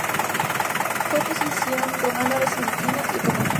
Fue posesión romana, bizantina y otomana.